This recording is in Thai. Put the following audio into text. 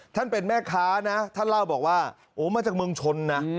เป็นแม่ค้านะท่านเล่าบอกว่าโอ้มาจากเมืองชนนะ